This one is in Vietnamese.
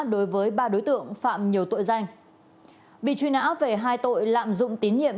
đối với ba đối tượng phạm nhiễm